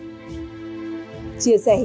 chia sẻ hình ảnh của các bạn